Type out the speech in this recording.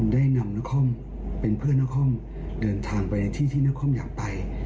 ได้นำนครเป็นเพื่อนนครเดินทางไปในที่ที่นครอยากไป